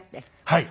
はい。